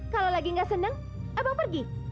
kalau lagi gak seneng abang pergi